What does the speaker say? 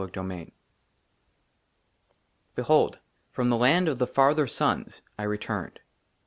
29 it XXIX BEHOLD, FROM THE LAND OF THE FARTHER SUNS I RETURNED.